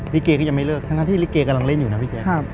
ลิเกก็ยังไม่เลิกทั้งที่ลิเกกำลังเล่นอยู่นะพี่แจ๊ค